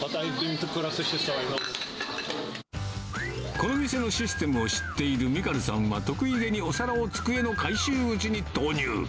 この店のシステムを知っているミカルさんは、得意げにお皿を机の回収口に投入。